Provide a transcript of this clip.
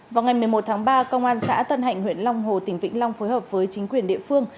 vào ngày một mươi một tháng ba công an xã tân hạnh huyện long hồ tỉnh vĩnh long phối hợp với chính quyền địa phương